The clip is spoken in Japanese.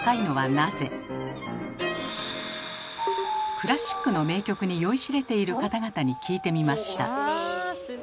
クラシックの名曲に酔いしれている方々に聞いてみました。